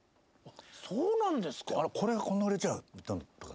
そうなんですか？